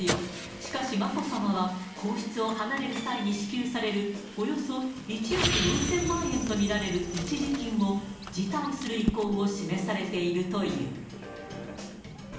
しかしまこさまは、皇室を離れる際に支給される、およそ１億４０００万円と見られる一時金を辞退する意向を示されているという。